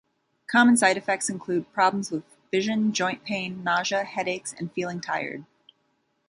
Common side effects include problems with vision, joint pain, nausea, headaches, and feeling tired.